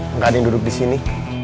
enggak ada yang duduk disini